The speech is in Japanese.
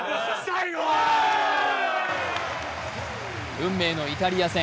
運命のイタリア戦。